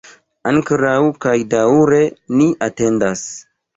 Ankoraŭ kaj daŭre ni atendas.